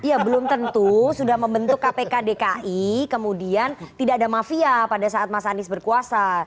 iya belum tentu sudah membentuk kpk dki kemudian tidak ada mafia pada saat mas anies berkuasa